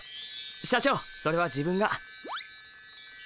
社長それは自分が。